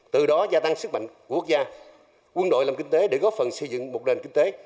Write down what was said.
từ đó gia tăng sức mạnh của quốc gia quân đội làm kinh tế để góp phần xây dựng một nền kinh tế